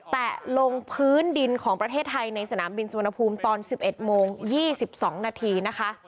แตะลงพื้นดินของประเทศไทยในสนามบินสุวรรณภูมิตอน๑๑โมง๒๒นาทีนะคะ